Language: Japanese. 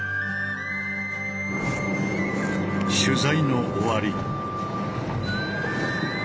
取材の終わり。